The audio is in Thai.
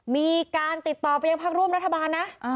มีการติดต่อไปให้ภักดิ์ร่วมรัฐบาล